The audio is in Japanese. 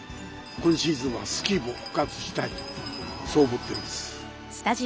今シーズンはスキーも復活したいとそう思ってます。